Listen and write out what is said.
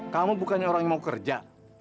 kamu bukannya orang yang mau kerja